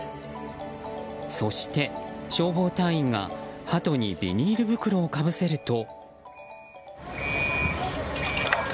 そして消防隊員がハトにビニール袋をかぶせると。